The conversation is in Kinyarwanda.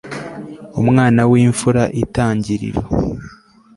umwana w imfura itangiriro